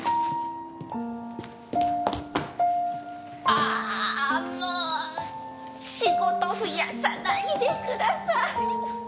あもう仕事増やさないでください。